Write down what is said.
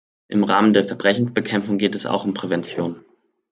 Im Rahmen der Verbrechensbekämpfung geht es auch um Prävention.